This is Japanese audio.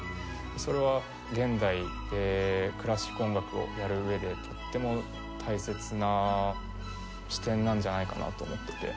それは現代でクラシック音楽をやる上でとっても大切な視点なんじゃないかなと思ってて。